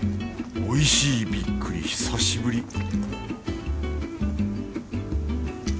おいしいびっくり久しぶり